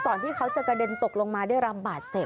ที่เขาจะกระเด็นตกลงมาได้รับบาดเจ็บ